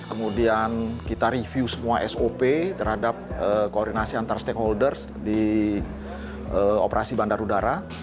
kemudian kita review semua sop terhadap koordinasi antar stakeholders di operasi bandar udara